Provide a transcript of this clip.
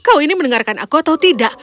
kau ini mendengarkan aku atau tidak